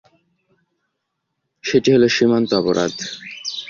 সেটি হলো সীমান্ত অপরাধ।